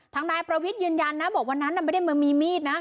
ทางนายประวิทย์ยืนยันนะบอกวันนั้นไม่ได้มามีมีดนะ